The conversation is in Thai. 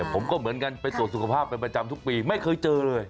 ผมก็เหมือนกันไปตรวจสุขภาพเป็นประจำทุกปีไม่เคยเจอเลย